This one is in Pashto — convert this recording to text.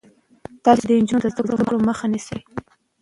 تاسو ولې د نجونو د زده کړو مخه نیسئ؟